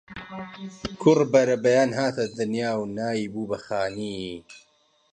کوڕ بەرەبەیان هاتە دنیا و ناوی بوو بە خانی